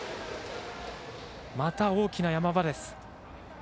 また大きな山場です。